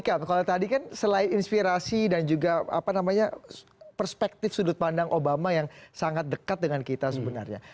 kalau tadi kan selain inspirasi dan juga perspektif sudut pandang obama yang sangat dekat dengan kita sebenarnya